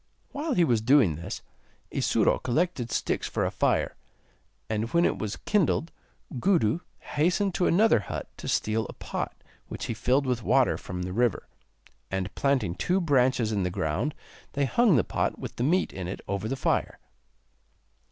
While he was doing this, Isuro collected sticks for a fire, and when it was kindled, Gudu hastened to another hut to steal a pot which he filled with water from the river, and, planting two branches in the ground, they hung the pot with the meat in it over the fire.